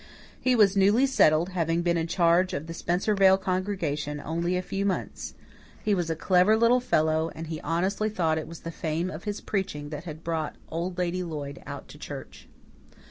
He was newly settled, having been in charge of the Spencervale congregation only a few months; he was a clever little fellow and he honestly thought it was the fame of his preaching that had brought Old Lady Lloyd out to church.